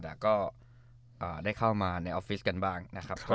แต่ก็ได้เข้ามาในออฟฟิศกันบ้างนะครับ